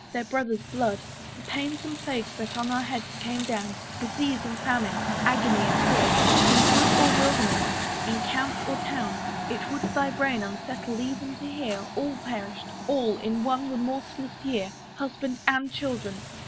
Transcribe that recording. their brother's blood. The pains and plagues that on our heads came down, Disease and famine, agony and fear, In wood or wilderness, in camp or town, It would thy brain unsettle even to hear. All perished all, in one remorseless year, Husband and children!